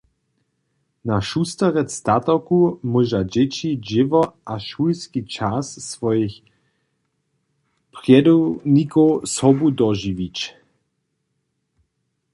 Na Šusterec statoku móža dźěći dźěło a šulski čas swojich prjedownikow sobu dožiwić.